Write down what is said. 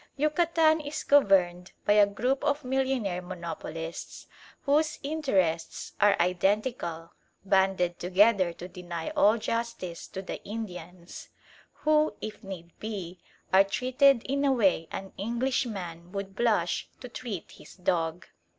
Yucatan is governed by a group of millionaire monopolists whose interests are identical, banded together to deny all justice to the Indians, who, if need be, are treated in a way an Englishman would blush to treat his dog.